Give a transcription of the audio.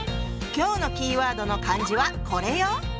今日のキーワードの漢字はこれよ！